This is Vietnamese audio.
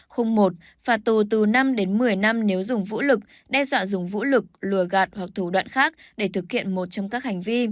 khung một phạt tù từ năm đến một mươi năm nếu dùng vũ lực đe dọa dùng vũ lực lùa gạt hoặc thủ đoạn khác để thực hiện một trong các hành vi